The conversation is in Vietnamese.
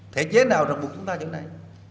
thể chế nào rộng bụng chúng ta như thế này